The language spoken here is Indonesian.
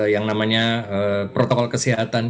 yang namanya protokol kesehatan